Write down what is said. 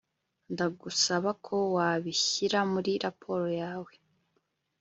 Ndagusaba ko wabishyira muri raporo yawe